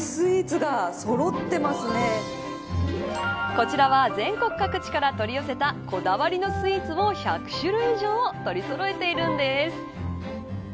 こちらは全国各地から取り寄せたこだわりのスイーツを１００種類以上取りそろえているんです。